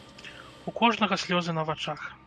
У кожнага слёзы на вачах.